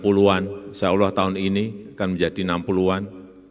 insya allah tahun ini akan menjadi enam puluh an